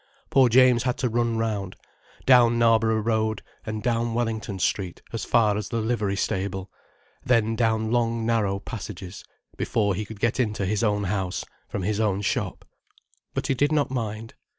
Poor James had to run round, down Knarborough Road, and down Wellington Street as far as the Livery Stable, then down long narrow passages, before he could get into his own house, from his own shop. But he did not mind.